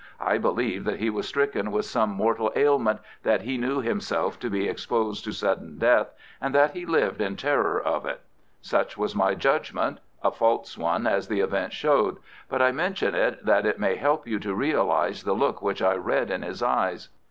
I believed that he was stricken with some mortal ailment, that he knew himself to be exposed to sudden death, and that he lived in terror of it. Such was my judgment—a false one, as the event showed; but I mention it that it may help you to realize the look which I read in his eyes.